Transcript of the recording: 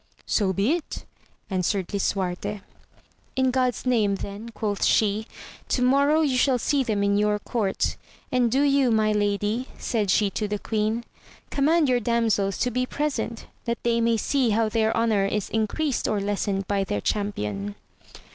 So be it, answered Lisuarte. In God's name then, quoth she, to morrow you shall see them in your court; and do you my lady, said she to the queen, command your damsels to be present, that they may see how their honour is increased or lessened by their champion.